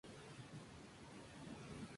Que habita en Senegal.